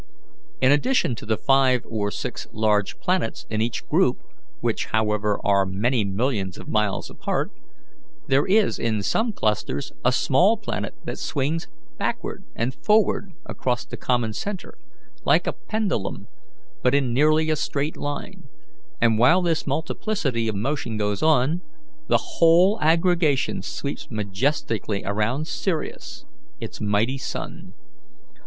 In addition to the five or six large planets in each group, which, however, are many millions of miles apart, there is in some clusters a small planet that swings backward and forward across the common centre, like a pendulum, but in nearly a straight line; and while this multiplicity of motion goes on, the whole aggregation sweeps majestically around Sirius, its mighty sun.